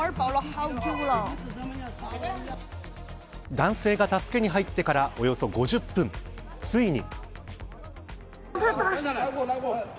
男性が助けに入ってからおよそ５０分ついに。